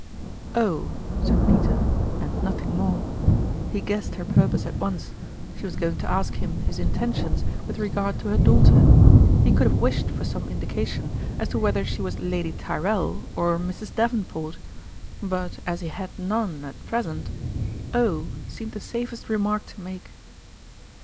" Oh !" said Peter and nothing more. He guessed her purpose at once ; she was going to ask him his intentions with regard to her daughter! He could have wished for some indication as to whether she was Lady Tyrrell or Mrs. Davenport; but, as he had none at present, " Oh " seemed the safest remark to make.